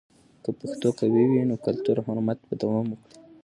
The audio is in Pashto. که پښتو قوي وي، نو کلتوري حرمت به دوام وکړي.